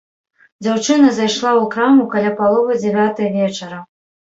Дзяўчына зайшла ў краму каля паловы дзявятай вечара.